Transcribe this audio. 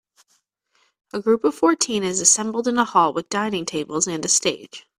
A group of fourteen is assembled in a hall with dining tables and a stage.